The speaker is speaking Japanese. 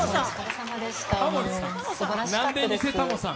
すばらしかったです。